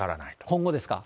今後ですか？